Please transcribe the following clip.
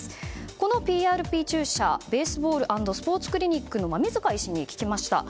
このＰＲＰ注射ベースボール＆スポーツクリニックの医師に聞きました。